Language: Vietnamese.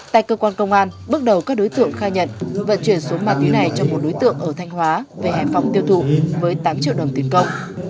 tại cơ quan công an bước đầu các đối tượng khai nhận vận chuyển xuống mặt dưới này cho một đối tượng ở thanh hóa về hải phòng tiêu thụ với tám triệu đồng tiền cộng